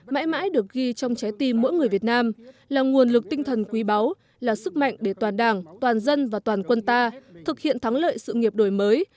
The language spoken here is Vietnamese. mãi mãi được ghi trong trái tim mỗi người việt nam là nguồn lực tinh thần quý báu là sức mạnh để toàn đảng toàn dân và toàn quân ta thực hiện thắng lợi sự nghiệp đổi mới